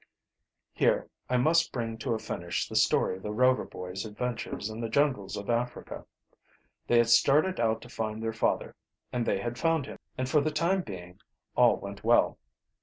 Here I must bring to a finish the story of the Rover boys' adventures in the jungles of Africa. They had started out to find their father, and they had found him, and for the time being all went well.